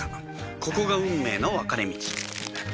ここが運命の分かれ道